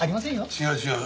違う違う。